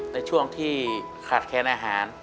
ในช่วงที่ขาดแค้นอาหาร